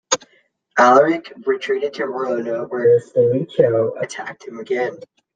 Alaric retreated to Verona, where Stilicho attacked him again.